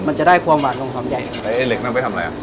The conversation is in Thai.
มันจะได้ความหวานของหอมใหญ่แล้วไอ้เหล็กนั้นไปทำอะไรอ่ะ